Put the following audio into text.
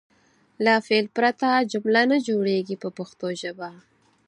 له فعل پرته جمله نه جوړیږي په پښتو ژبه.